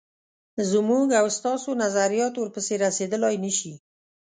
زموږ او ستاسو نظریات ورپسې رسېدلای نه شي.